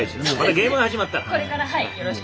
ゲームが始まったら。